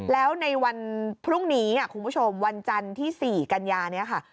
แล้วในวันพรุ่งนี้คุณผู้ชมวันจันทร์ที่๔กันยานี้ค่ะ